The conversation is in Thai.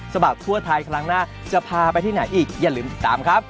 บัดทั่วไทยครั้งหน้าจะพาไปที่ไหนอีกอย่าลืมติดตามครับ